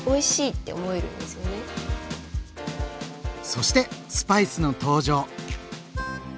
そしてスパイスの登場。